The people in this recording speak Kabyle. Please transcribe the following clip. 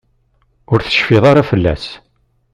Ur tecfi ara fell-as.